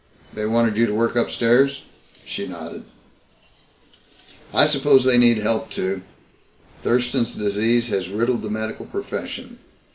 "They wanted you to work upstairs?" She nodded. "I suppose they need help, too. Thurston's Disease has riddled the medical profession.